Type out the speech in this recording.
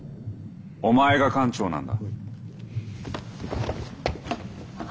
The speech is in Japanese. お前が艦長なんだ。